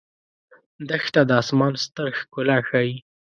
دښته د آسمان ستر ښکلا ښيي.